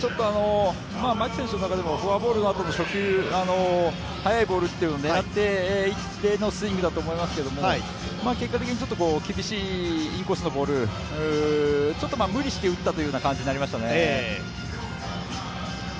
牧選手の中でもフォアボールのあとの初球、速いボールを狙っていってのスイングだと思いますけど、結果的に厳しいインコースのボール、ちょっと無理して打ったような感じになりましたね。